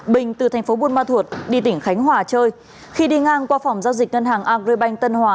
bình từ thành phố buôn ma thuột đi tỉnh khánh hòa chơi khi đi ngang qua phòng giao dịch ngân hàng agribank tân hòa